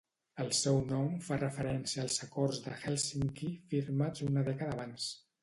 El seu nom fa referència als Acords de Hèlsinki firmats una dècada abans.